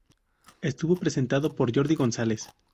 Estuvo presentado por Jordi González.